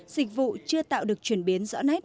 dịch vụ chưa tạo được chuyển biến rõ nét